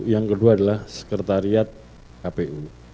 yang kedua adalah sekretariat kpu